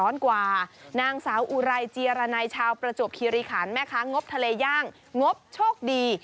นางสาวอุไรเจียรนัยชาวประจวบคิริขันแม่ค้างบทะเลย่างงบโชคดี